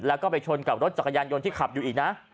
แล้วก็ไปชนกับรถจักรยานยนต์ที่ขับอยู่อีกนะ